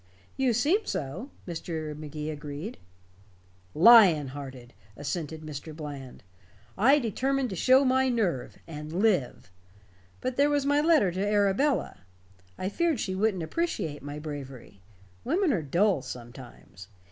"You seem so," Mr. Magee agreed. "Lion hearted," assented Mr. Bland. "I determined to show my nerve, and live. But there was my letter to Arabella. I feared she wouldn't appreciate my bravery women are dull sometimes.